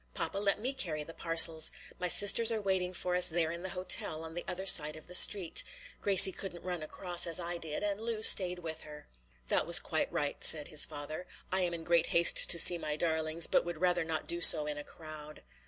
"Papa, let me carry the parcels. My sisters are waiting for us there in the hotel on the other side of the street. Gracie couldn't run across as I did, and Lu stayed with her." "That was quite right," said his father. "I am in great haste to see my darlings, but would rather not do so in a crowd."